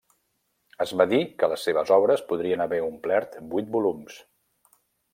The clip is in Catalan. Es va dir que les seves obres podrien haver omplert vuit volums.